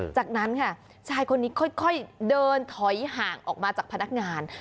จากนั้นค่ะชายคนนี้ค่อยเดินถอยห่างออกมาจากพนักงาน